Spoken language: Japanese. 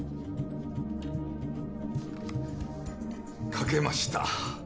書けました。